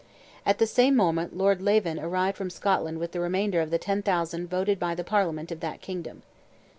At the same moment Lord Lieven arrived from Scotland with the remainder of the 10,000 voted by the Parliament of that kingdom.